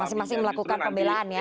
masing masing melakukan pembelaan ya